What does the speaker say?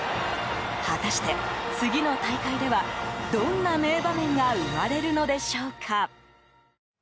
果たして、次の大会ではどんな名場面が生まれるのでしょうか。